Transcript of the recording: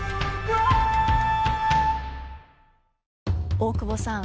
大久保さん